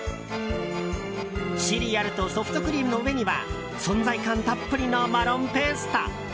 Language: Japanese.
シリアルとソフトクリームの上には存在感たっぷりのマロンペースト。